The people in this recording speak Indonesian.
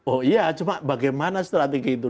oh iya cuma bagaimana strategi itu